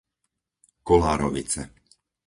Kolárovice